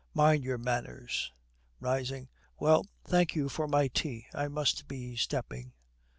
'Mind your manners!' Rising, 'Well, thank you for my tea. I must be stepping.'